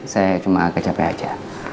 saya cuma agak capek aja